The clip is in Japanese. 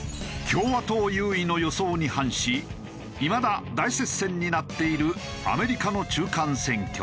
共和党優位の予想に反しいまだ大接戦になっているアメリカの中間選挙。